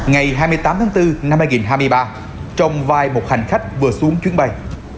ngày hai mươi tám tháng bốn năm hai nghìn hai mươi ba trong vai một hành khách vừa xuống chuyến bay